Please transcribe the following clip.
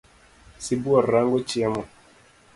Sibuor rango chiemo.